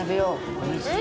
おいしい。